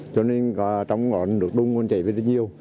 cho nên trong đó được đung chảy về rất nhiều